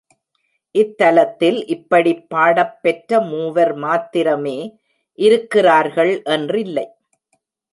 இத்தலத்தில் இப்படிப் பாடப்பெற்ற மூவர் மாத்திரமே இருக்கிறார்கள் என்றில்லை.